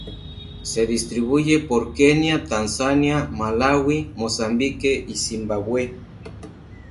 Se distribuye por Kenia, Tanzania, Malaui, Mozambique y Zimbabue.